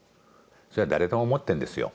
それは誰でも持ってるんですよ